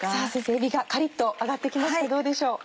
えびがカリっと揚がって来ましたどうでしょう？